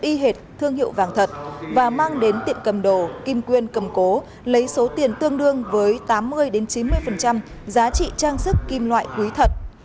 y hệt thương hiệu vàng thật và mang đến tiệm cầm đồ kim quyên cầm cố lấy số tiền tương đương với tám mươi chín mươi giá trị trang sức kim loại quý thật